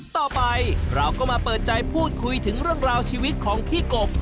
ต่อไปเราก็มาเปิดใจพูดคุยถึงเรื่องราวชีวิตของพี่กบ